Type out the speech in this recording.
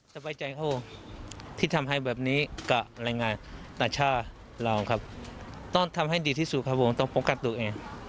สบายใจเขาที่ทำให้แบบนี้กับแรงงานต่างชาติเราครับต้องทำให้ดีที่สุดครับผมต้องป้องกันตัวเอง